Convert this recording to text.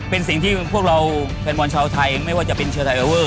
เป็นสิ่งที่พวกเราแฟนบอลชาวไทยไม่ว่าจะเป็นเชอร์ไทเวอร์